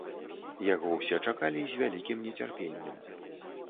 Яго ўсе чакалі з вялікім нецярпеннем.